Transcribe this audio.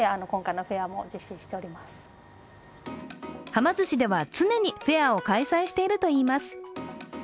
はま寿司では常にフェアを開催しているといいます。